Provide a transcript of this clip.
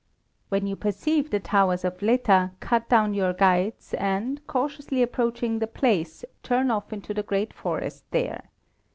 When you perceive the towers of Létá, cut down your guides, and, cautiously approaching the place, turn off into the great forest there.